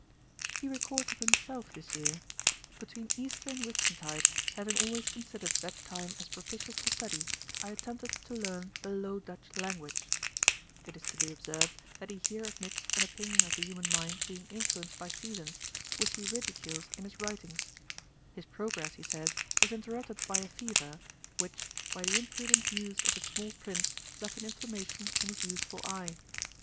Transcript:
He records of himself this year, 'Between Easter and Whitsuntide, having always considered that time as propitious to study, I attempted to learn the Low Dutch language.' It is to be observed, that he here admits an opinion of the human mind being influenced by seasons, which he ridicules in his writings. His progress, he says, was interrupted by a fever, 'which, by the imprudent use of a small print, left an inflammation in his useful eye.'